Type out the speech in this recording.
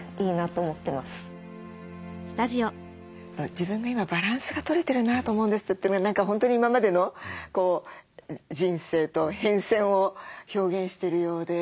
「自分が今バランスがとれてるなと思うんです」というのは本当に今までの人生と変遷を表現してるようで。